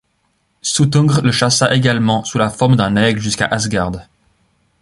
Suttungr le chassa également sous la forme d'un aigle jusqu'à Ásgard.